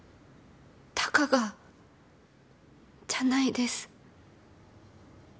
たかがじゃないです。